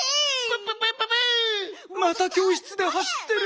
またきょうしつではしってる。